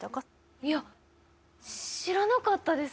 いや知らなかったです。